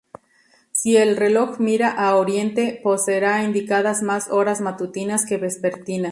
Si el reloj mira a oriente, poseerá indicadas más horas matutinas que vespertinas.